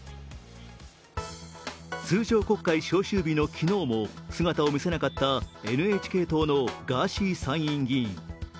通常国会召集日の昨日も姿を見せなかったＮＨＫ党のガーシー参院議員。